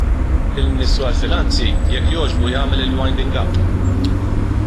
Il-Ministru għall-Finanzi, jekk jogħġbu, jagħmel il-winding up.